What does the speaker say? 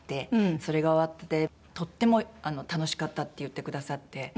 それが終わって「とっても楽しかった」って言ってくださって。